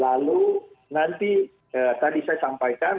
lalu nanti tadi saya sampaikan